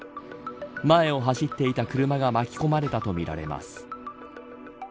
前を走っていた車が巻き込まれたとみられます。